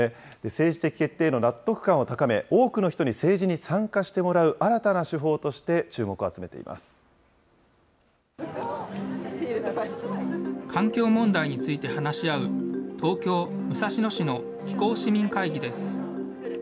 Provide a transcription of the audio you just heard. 政治的決定への納得感を高め、多くの人に政治に参加してもらう新たな手法として、注目を集めてい環境問題について話し合う、東京・武蔵野市の気候市民会議です。